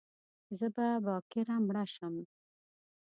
زه به باکره مړه شم